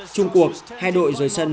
trung quốc hai đội rời sân